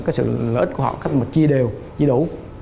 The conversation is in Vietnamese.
có sự lợi ích của họ cách mà chia đều chia đủ